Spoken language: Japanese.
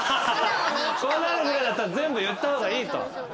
こうなるぐらいだったら全部言った方がいいと。